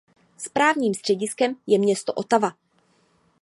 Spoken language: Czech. Správním střediskem je město Ottawa.